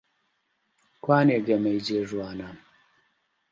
کوانێ گەمەی جێ ژوانان؟